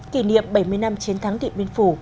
kỷ niệm bảy mươi năm chiến thắng điện biên phủ